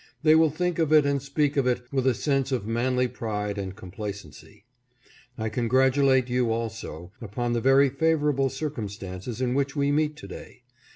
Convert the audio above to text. They will think of it and speak of it with a sense of manly pride and complacency. I congratulate you, also, upon the very favorable cir cumstances in which we meet to day.